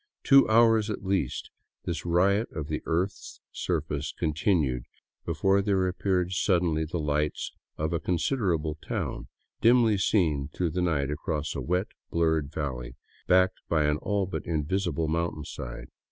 Two hours, at least, this riot of the earth's surface continued before there appeared suddenly the lights of a con siderable town, dimly seen through the night across a wet, blurred valley backed by an all but invisible mountainside.